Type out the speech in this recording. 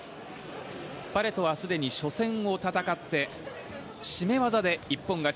パレトはすでに初戦を戦って絞め技で一本勝ち。